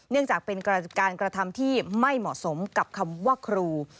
จากเป็นการกระทำที่ไม่เหมาะสมกับคำว่าครู